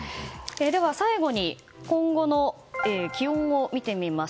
では、最後に今後の気温を見てみます。